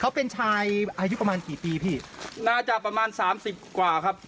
เขาเป็นชายอายุประมาณกี่ปีพี่น่าจะประมาณสามสิบกว่าครับ